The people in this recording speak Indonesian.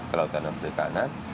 kelautan dan perikanan